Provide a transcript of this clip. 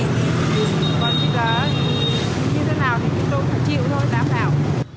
còn bây giờ như thế nào thì tôi phải chịu thôi đảm bảo